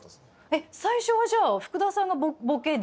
えっ？最初はじゃあ福田さんがボケで。